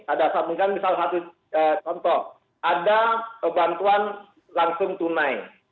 ada mungkin misal satu contoh ada bantuan langsung tunai